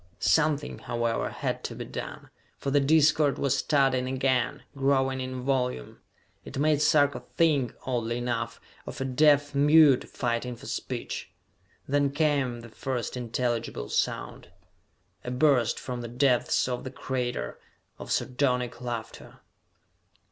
Something, however, had to be done, for the discord was starting again, growing in volume. It made Sarka think, oddly enough, of a deaf mute fighting for speech! Then came the first intelligible sound.... A burst, from the depths of the crater, of sardonic laughter!